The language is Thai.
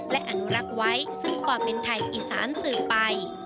และอนุรักษ์ไว้ซึ่งความเป็นไทยอีสานสื่อไป